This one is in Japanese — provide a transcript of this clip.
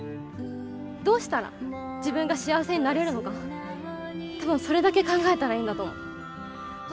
どうしたら自分が幸せになれるのか多分それだけ考えたらいいんだと思う。